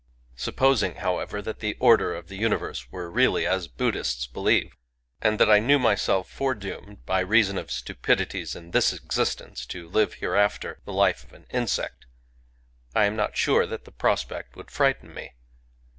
Supposing, however, that the order of the uni verse were really as Buddhists believe, and that I knew myself foredoomed, by reason of stupidities in this existence, to live hereafter the life of an insect, I am not . sure that the prospect would frighten me.